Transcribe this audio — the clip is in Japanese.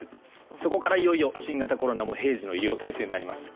そこから、いよいよ新型コロナも平時の医療体制になります。